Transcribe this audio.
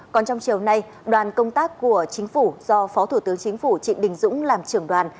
còn trong chiều nay đoàn công tác của chính phủ do phó thủ tướng chính phủ trịnh đình dũng làm trưởng đoàn